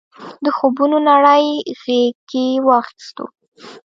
د خوبونو نړۍ غېږ کې واخیستو.